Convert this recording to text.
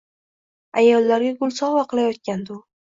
Ayollarga gul sovg‘a qilayotgandi u.